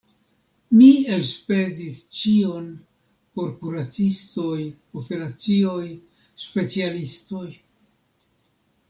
Mi elspezis ĉion por kuracistoj, operacioj, specialistoj.